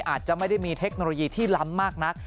อาจจะไม่ได้มีเทคโนโลยีที่ล้ำมากนัก